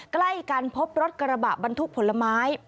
ใกล้กันพบรถกระบะบรรทุกผลไม้